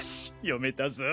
読めたぞ